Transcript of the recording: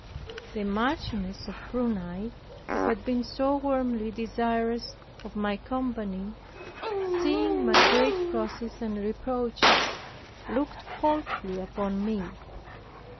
The Marchioness of Prunai, who had been so warmly desirous of my company, seeing my great crosses and reproaches, looked coldly upon me.